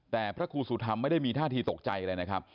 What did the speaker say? แต่พระครูสุธรรมไม่ได้มีท่าทีตกใจอะไรนะครับ